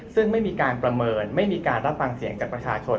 ซึ่งไม่มีการประเมินไม่มีการรับฟังเสียงจากประชาชน